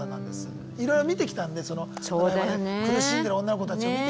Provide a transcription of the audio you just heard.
いろいろ見てきたんでそのドライバーで苦しんでる女の子たちをね。